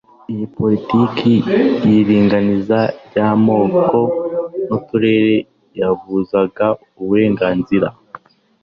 iyi poritiki y'iringaniza ry'amoko n'uturere yabuzaga uburenganzira